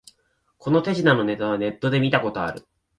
この手品のネタはネットで見たことある